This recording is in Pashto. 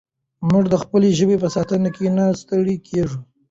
موږ د خپلې ژبې په ساتنه کې نه ستړي کېږو.